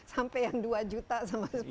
sampai yang dua juta sama sepuluh